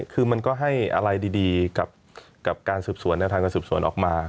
คือมันก็ให้อะไรดีกับการสืบสวนแนวทางการสืบสวนออกมา